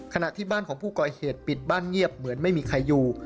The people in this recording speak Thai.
ขณะที่บ้านของผู้ก่อเหตุปิดบ้านเงียบเหมือนไม่มีใครอยู่